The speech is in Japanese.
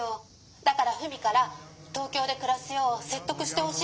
だからフミから東京でくらすようせっとくしてほしいの。